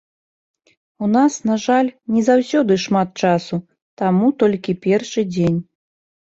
У нас, на жаль, не заўсёды шмат часу, таму толькі першы дзень.